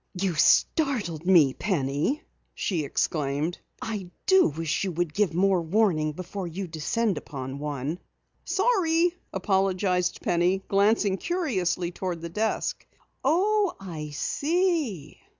"You startled me, Penny!" she exclaimed. "I do wish you would give more warning before you descend upon one." "Sorry," apologized Penny, glancing curiously toward the desk. "Oh, I see!"